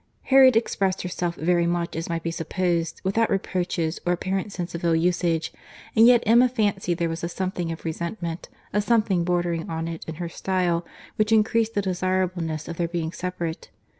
Harriet expressed herself very much as might be supposed, without reproaches, or apparent sense of ill usage; and yet Emma fancied there was a something of resentment, a something bordering on it in her style, which increased the desirableness of their being separate.